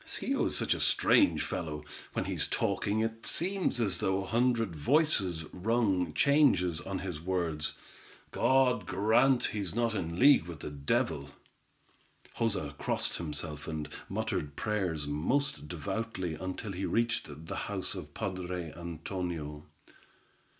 "Schio is such a strange fellow; when he's talking, it seems as though a hundred voices rung changes on his words. God grant he's not in league with the devil." Joza crossed himself, and muttered prayers most devoutly until he reached the house of the padre Antonio.